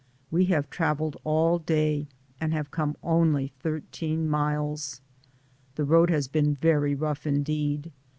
We have traveled all day, and have come only thirteen miles. The road has been very rough indeed.